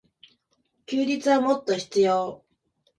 休日はもっと必要。